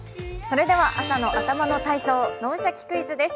朝の頭の体操「脳シャキ！クイズ」です